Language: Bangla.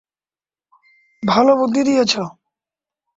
ভালো বুদ্ধি দিয়েছ।